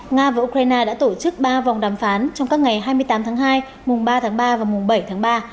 nga và ukraine đã tổ chức ba vòng đàm phán trong các ngày hai mươi tám tháng hai mùng ba tháng ba và mùng bảy tháng ba